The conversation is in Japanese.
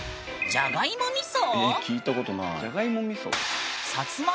じゃがいもみそ。